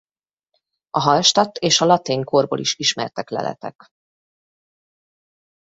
A hallstatt és a latén korból is ismertek leletek.